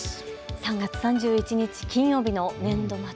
３月３１日金曜日の年度末。